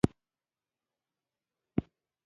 د قالینبافۍ کار په کورونو کې کیږي؟